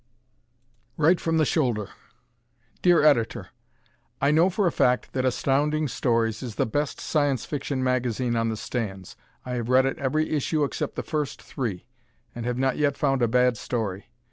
Right from the Shoulder Dear Editor: I know for a fact that Astounding Stories is the best Science Fiction magazine on the stands. I have read it every issue except the first three, and have not yet found a bad story.